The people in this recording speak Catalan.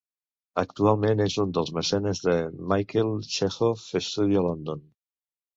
Actualment és un dels mecenes del Michael Chekhov Studio London.